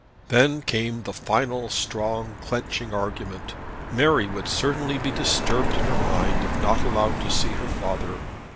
Then came the final, strong, clenching argument. Mary would certainly be disturbed in her mind if not allowed to see her father.